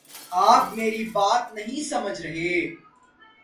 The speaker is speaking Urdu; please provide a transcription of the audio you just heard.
آپ میری بات نہیں سمجھ رہے